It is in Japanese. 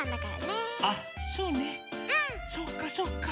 そうかそうか。